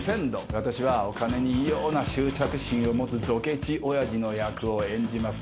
私はお金に異様な執着心を持つどけちおやじの役を演じます。